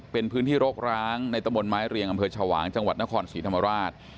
เป็นพื้นที่โรคร้างในตะบนไม้เรียงอำเภอชวางจังหวัดนครศรีธรรมราช